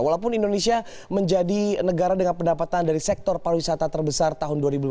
walaupun indonesia menjadi negara dengan pendapatan dari sektor pariwisata terbesar tahun dua ribu lima belas